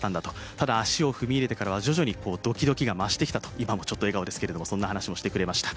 ただ、足を踏み入れてからは徐々にドキドキが増してきたと、今もちょっと笑顔ですけれども、そんな話もしてくれました。